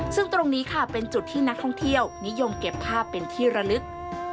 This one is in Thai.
ซึ่งตรงนี้ค่ะเป็นจุดที่นักท่องเที่ยวนิยมเก็บภาพเป็นที่ระลึก